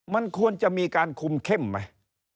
มันควรจะมีการคุมเข้มไหม